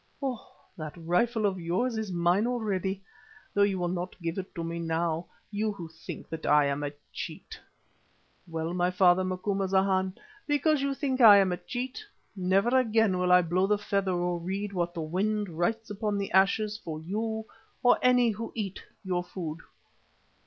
Oh! that rifle of yours is mine already, though you will not give it to me now, you who think that I am a cheat. Well, my father Macumazana, because you think I am a cheat, never again will I blow the feather or read what the wind writes upon the ashes for you or any who eat your food."